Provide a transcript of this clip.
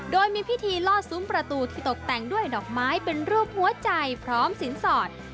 โดยมีพิธีล่อซุ้มประตูที่ตกแต่งด้วยดอกไม้เป็นรูปหัวใจพร้อมสินสอด